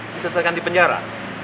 disesaikan di penjara